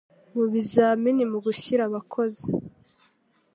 mu bizamini mu gushyira abakozi